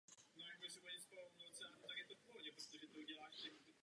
Postupně rostl i počet a vliv Tibeťanů v úřadech.